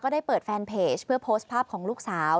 ได้เปิดแฟนเพจเพื่อโพสต์ภาพของลูกสาว